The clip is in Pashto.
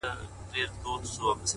• وه ه ژوند به يې تياره نه وي ـ